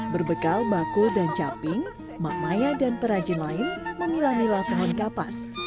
berbekal bakul dan caping mak maya dan perajin lain memilah milah pohon kapas